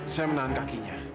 saya menahan kakinya